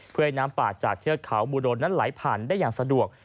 เพื่อให้น้ำป่าจากเทือกเขาบูโดนนั้นไหลผ่านได้อย่างสะดวก